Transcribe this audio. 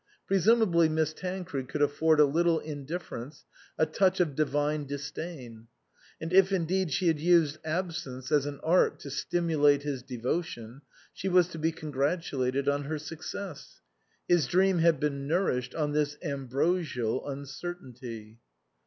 Presumably Miss Taucred could afford a little indifference, a touch of divine disdain. And if indeed she had used absence as an art to stimulate his devotion, she was to be congratulated on her success. His dream had been nourished on this ambrosial uncertainty.